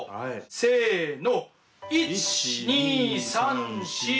せの。